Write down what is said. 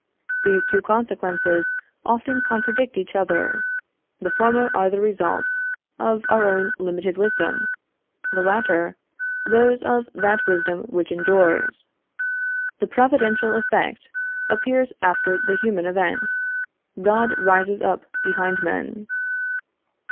These consequences often contradict each other; the former are the results of our own limited wisdom, the latter, those of that wisdom which endures. The providential event appears after the human event. God rises up behind men.